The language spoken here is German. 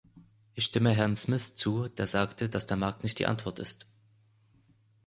Ich stimme Herrn Smith zu, der sagte, dass der Markt nicht die Antwort ist.